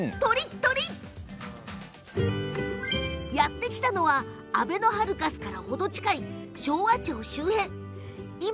やって来たのはあべのハルカスから程近い昭和町周辺です。